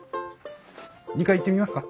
２階行ってみますか？